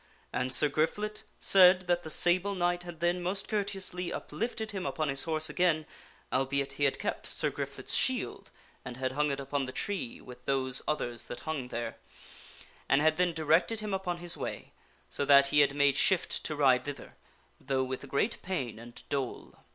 And Sir Griflet said that the Sable Knight had then, most courteously, uplifted him upon his horse again (albeit he had kept Sir Griflet's shield and had hung it upon the tree with those SIX GRIFLET IS WOUNDED 4? others that hung there) and had then directed him upon his way, so that he had made shift to ride thither, though with great pain and dole.